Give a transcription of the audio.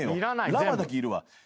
「らま」だけいるわ。